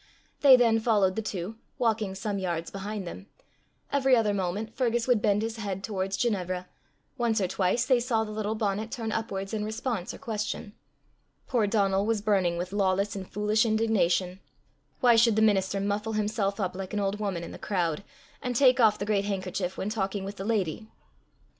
They then followed the two, walking some yards behind them. Every other moment Fergus would bend his head towards Ginevra; once or twice they saw the little bonnet turn upwards in response or question. Poor Donal was burning with lawless and foolish indignation: why should the minister muffle himself up like an old woman in the crowd, and take off the great handkerchief when talking with the lady?